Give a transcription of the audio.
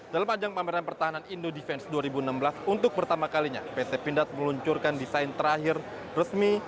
dalam ajang pameran pertahanan indo defense dua ribu enam belas untuk pertama kalinya pt pindad meluncurkan desain terakhir resmi